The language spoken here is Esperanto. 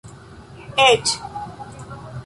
eĉ